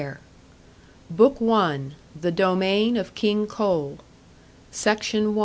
BOOK ONE THE DOMAIN OF KING COAL SECTION 1.